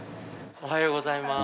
おはようございます。